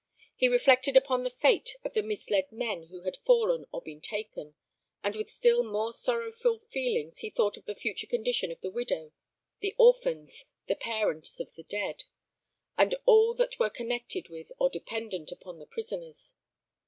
He reflected upon the fate of the misled men who had fallen or been taken; and with still more sorrowful feelings he thought of the future condition of the widow, the orphans, the parents of the dead, and all that were connected with or dependent upon the prisoners.